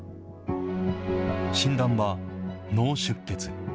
診断は、脳出血。